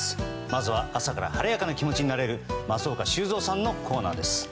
まずは朝から晴れやかな気持ちになれる松岡修造さんのコーナーです。